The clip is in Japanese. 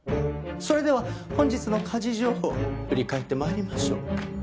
それでは本日の家事情報振り返って参りましょう。